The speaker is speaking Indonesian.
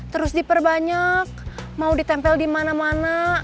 terus diperbanyak mau ditempel dimana mana